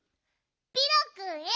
ピロくんへ。